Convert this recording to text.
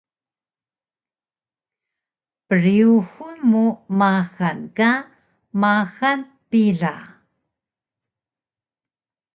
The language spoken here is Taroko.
Pryuxun mu maxal ka maxal pila